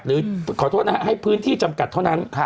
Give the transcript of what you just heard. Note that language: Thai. ขอโทษนะฮะให้พื้นที่จำกัดเท่านั้น